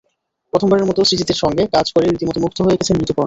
প্রথমবারের মতো সৃজিতের সঙ্গে কাজ করে রীতিমতো মুগ্ধ হয়ে গেছেন ঋতুপর্ণা।